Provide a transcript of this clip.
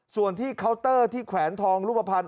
ส่วนที่เคาน์เตอร์ที่แขวนทองรูปภัณฑ